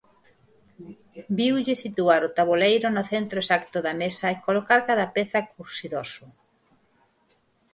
Viulle situar o taboleiro no centro exacto da mesa e colocar cada peza cursidoso.